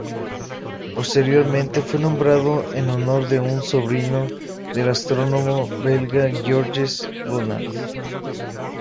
Posteriormente fue nombrado en honor de un sobrino del astrónomo belga Georges Roland.